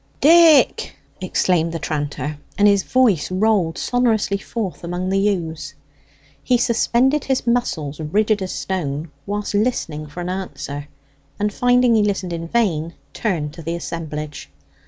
"Dick!" exclaimed the tranter, and his voice rolled sonorously forth among the yews. He suspended his muscles rigid as stone whilst listening for an answer, and finding he listened in vain, turned to the assemblage.